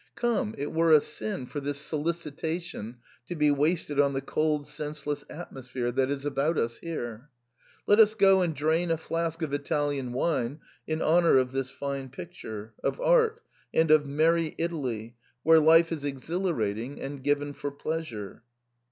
Gome, it were a sin for this solicitation to be wasted on the cold senseless atmosphere that is about us here. Let us go and drain a flask of Italian wine in honour of this fine picture, of art, and of merry Italy, where life is exhilarating and given for pleasure."